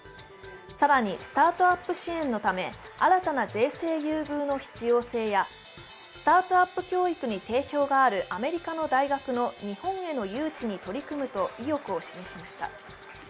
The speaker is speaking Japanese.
更にスタートアップ支援のため、新たな税制優遇の必要性やスタートアップ教育に定評があるアメリカの大学の日本への誘致に取り組むと意欲を示しました。